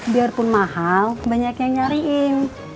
biarpun mahal banyak yang nyariin